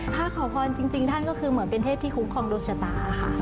ถ้าขอพรจริงท่านก็คือเหมือนเป็นเทพที่คุ้มของดวงชะตาค่ะ